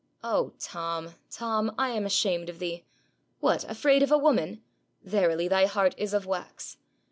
'Oh, Tom, Tom! I am ashamed of thee. What! Afraid of a woman? Verily, thy heart is of wax.'